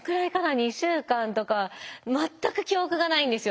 ２週間とか全く記憶がないんですよ。